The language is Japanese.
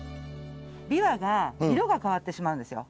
びわが色が変わってしまうんですよ。